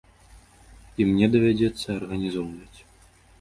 І мне давядзецца арганізоўваць.